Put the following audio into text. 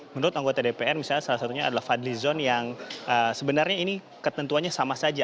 menurut anggota dpr misalnya salah satunya adalah fadli zon yang sebenarnya ini ketentuannya sama saja